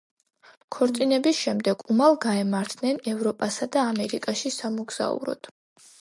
ქორწინების შემდეგ უმალ გაემართნენ ევროპასა და ამერიკაში სამოგზაუროდ.